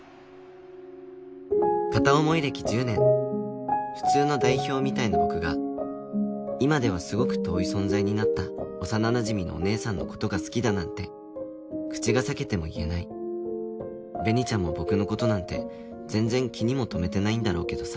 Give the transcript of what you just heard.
片思い歴１０年「普通」の代表みたいな僕が今ではすごく遠い存在になった幼なじみのお姉さんのことが好きだなんて口が裂けても言えない紅ちゃんも僕のことなんて全然気にも留めてないんだろうけどさ